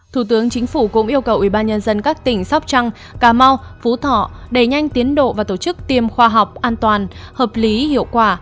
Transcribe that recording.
thủ tướng chính phủ cũng yêu cầu ubnd các tỉnh sóc trăng cà mau phú thọ đẩy nhanh tiến độ và tổ chức tiêm khoa học an toàn hợp lý hiệu quả